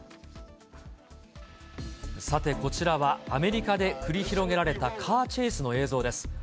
さてこちらは、アメリカで繰り広げられたカーチェイスの映像です。